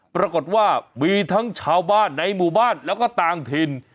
ปรากฏว่ามีทั้งชาวบ้านในหมู่บ้านแล้วก็ต่างถิ่น